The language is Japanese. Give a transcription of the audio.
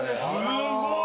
すごい。